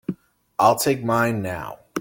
I'll take mine now.